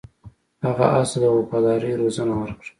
هغه اس ته د وفادارۍ روزنه ورکړه.